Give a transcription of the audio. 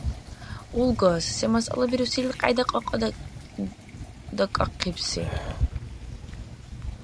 Улгас, се масъала бируси илкьяйда кьакьадакӀахъибси?